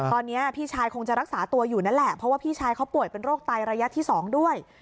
ตอนนี้พี่ชายคงจะรักษาตัวอยู่นั่นแหละเพราะว่าพี่ชายเขาป่วยเป็นโรคไตระยะที่๒ด้วย